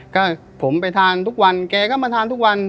ก็ผมไปทานทุกวันแกก็มาทานทุกวัน